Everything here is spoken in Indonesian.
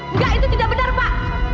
enggak itu tidak benar pak